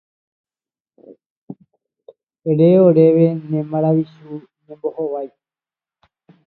Ere oréve ne maravichu ñembohovái.